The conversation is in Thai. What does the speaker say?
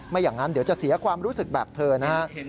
อย่างนั้นเดี๋ยวจะเสียความรู้สึกแบบเธอนะครับ